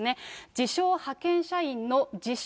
自称派遣社員の、自称